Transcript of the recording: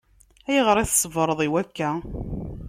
Ayɣer i tṣebreḍ i wakka?